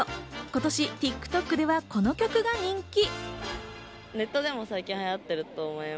今年、ＴｉｋＴｏｋではこの曲が人気。